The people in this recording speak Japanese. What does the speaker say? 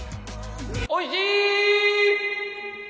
おいしー！